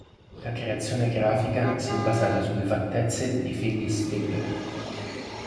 La creazione grafica si è basata sulle fattezze di Phyllis Diller.